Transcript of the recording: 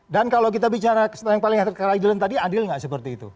dan kalau kita bicara yang paling ada keadilan tadi adil gak seperti itu